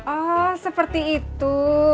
oh seperti itu